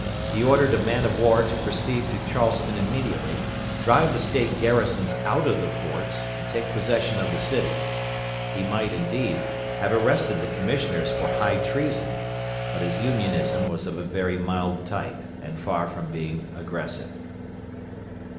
He ordered a man of war to proceed to Charleston immediately, drive the State garrisons out of the forts, and take possession of the city. He might, indeed, have arrested the commissioners for high treason; but his Unionism was of a very mild type, and far from being aggressive.